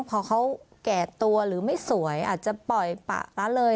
พอเขาแก่ตัวหรือไม่สวยอาจจะปล่อยปะละเลย